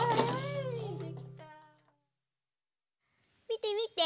みてみて！